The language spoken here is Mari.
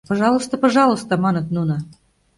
— Пожалуйста, пожалуйста, — маныт нуно.